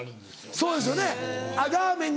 そうですよね。